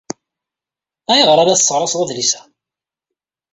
Ayɣer ay la tesseɣraseḍ adlis-a?